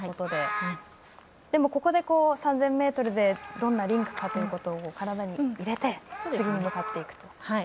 でもここで３０００ｍでどんなリンクかというのを体に入れて次に向かっていくと。